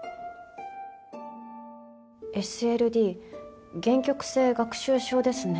ＳＬＤ限局性学習症ですね。